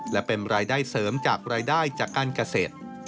และเป็นรายได้เสริมจากรายได้จากการเกษตร